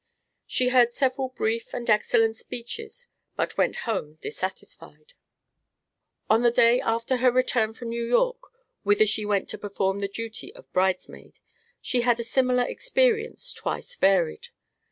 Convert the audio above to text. She heard several brief and excellent speeches, but went home dissatisfied. On the day after her return from New York, whither she went to perform the duty of bridesmaid; she had a similar experience, twice varied.